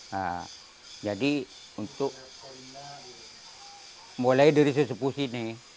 nah jadi untuk mulai dari sesebuah sini